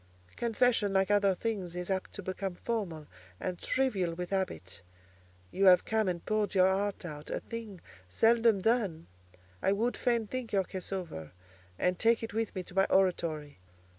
Confession, like other things, is apt to become formal and trivial with habit. You have come and poured your heart out; a thing seldom done. I would fain think your case over, and take it with me to my oratory.